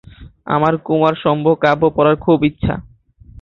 আমার কুমারসম্ভব কাব্য পড়ার খুব ইচ্ছা।